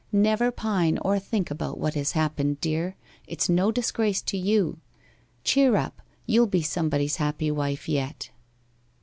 Never pine or think about what has happened, dear; it's no disgrace to you. Cheer up; you'll be somebody's happy wife yet.